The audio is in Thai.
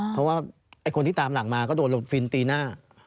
เพราะว่าไอ้คนที่ตามหลังมาก็โดนฟินตีหน้า